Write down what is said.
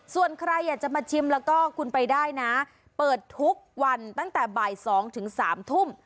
ส่วนใครอยากจะมาชิมแล้วก็คุณไปได้นะเปิดทุกวันตั้งแต่บ่าย๒ถึง๓ทุ่ม